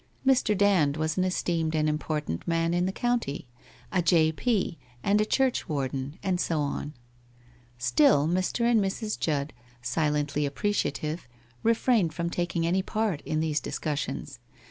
Mr. Dand was an esteemed and important man in the county, a J. P. and a church warden and so on. Still Mr. and Mrs. Judd, silently appreciative, refrained from taking any part in these dis cussions.